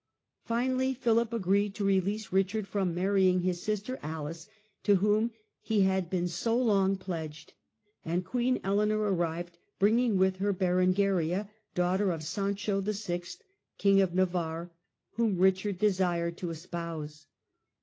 Finally Philip agreed to release Richard from marrying his sister, Alice, to whom he had been so long pledged, and Queen Eleanor arrived bringing with her Richard in Berengaria, daughter of Sancho VI., King of S'^^y Navarre, whom Richard desired to espouse.